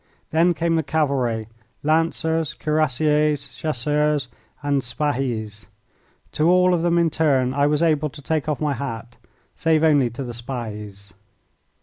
Then came the cavalry, Lancers, Cuirassiers, Chasseurs, and Spahis. To all of them in turn I was able to take off my hat, save only to the Spahis.